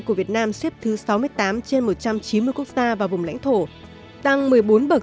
của việt nam xếp thứ sáu mươi tám trên một trăm chín mươi quốc gia và vùng lãnh thổ tăng một mươi bốn bậc